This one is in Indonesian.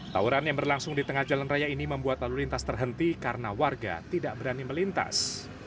tawuran yang berlangsung di tengah jalan raya ini membuat lalu lintas terhenti karena warga tidak berani melintas